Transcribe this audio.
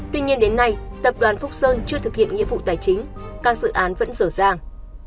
tuy nhiên đến nay tập đoàn phúc sơn chưa thực hiện nghĩa vụ tài chính các dự án vẫn dở dàng